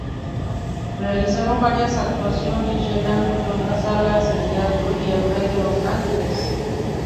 Realizaron varias actuaciones, llenando entre otras salas, el Teatro El Rey de Los Angeles.